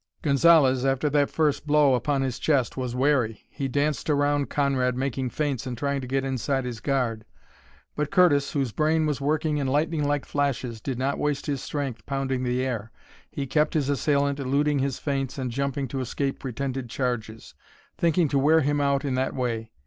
Gonzalez, after that first blow upon his chest, was wary. He danced around Conrad, making feints and trying to get inside his guard. But Curtis, whose brain was working in lightning like flashes, did not waste his strength pounding the air. He kept his assailant eluding his feints and jumping to escape pretended charges, thinking to wear him out in that way.